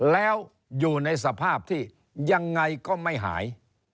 แล้วอยู่ในสภาพที่ยังไงก็ไม่หาย